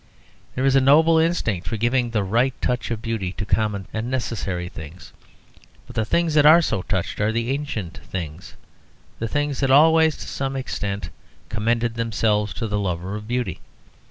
There is a noble instinct for giving the right touch of beauty to common and necessary things, but the things that are so touched are the ancient things, the things that always to some extent commended themselves to the lover of beauty.